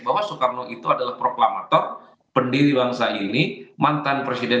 bahwa soekarno itu adalah proklamator pendiri bangsa ini mantan presiden